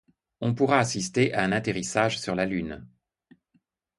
On pourra assister à un atterrissage sur la Lune.